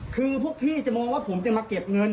คือพวกพี่จะมองว่าผมจะมาเก็บเงิน